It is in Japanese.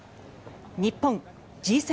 日本、Ｇ７